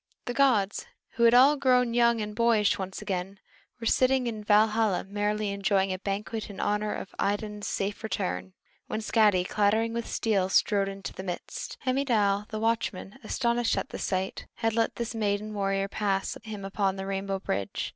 The gods, who had all grown young and boyish once again, were sitting in Valhalla merrily enjoying a banquet in honor of Idun's safe return, when Skadi, clattering with steel, strode into their midst. Heimdal the watchman, astonished at the sight, had let this maiden warrior pass him upon the rainbow bridge.